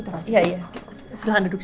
iya silahkan duduk